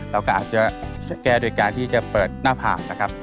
เราก็อาจจะแก้โดยการที่จะเปิดหน้าผากนะครับ